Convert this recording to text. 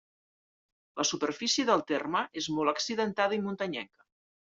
La superfície del terme és molt accidentada i muntanyenca.